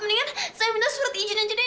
mendingan saya minta surat izin aja deh